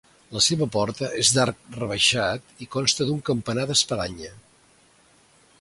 La seva porta és d'arc rebaixat i consta d'un campanar d'espadanya.